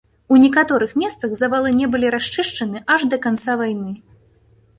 У некаторых месцах завалы не былі расчышчаны аж да канца вайны.